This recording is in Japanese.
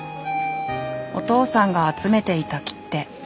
お父さんが集めていた切手。